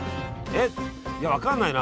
えっいや分かんないな。